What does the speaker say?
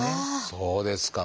そうですか。